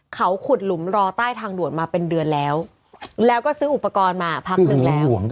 เขาขุดหลุมรอใต้ทางด่วนมาเป็นเดือนแล้วแล้วก็ซื้ออุปกรณ์มาพักหนึ่งแล้ว